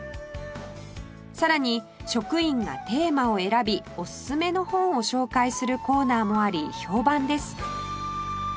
さらに職員がテーマを選びおすすめの本を紹介するコーナーもあり評判です